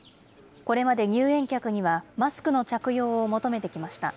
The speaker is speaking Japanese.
これまで入園客にはマスクの着用を求めてきました。